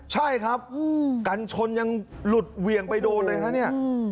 ใช่ครับกันชนยังหลุดเหวี่ยงไปโดนเลยฮะเนี่ย